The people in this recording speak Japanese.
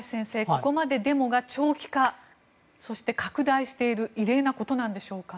ここまでデモが長期化そして拡大している異例なことなんでしょうか。